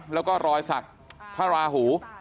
แล้วก็รอยสักพระราหู